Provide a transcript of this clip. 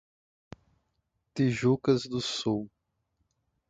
Tijucas do Sul